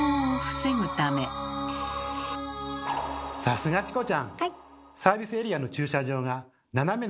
さすがチコちゃん。